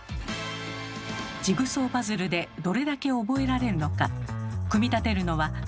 ジグソーパズルでどれだけ覚えられるのか。